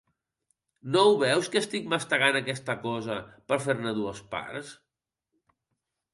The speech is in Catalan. No ho veus, que estic mastegant aquesta cosa per fer-ne dues parts.